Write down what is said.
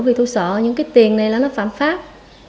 vì thu sợ những cái tiền này là nó phạm pháp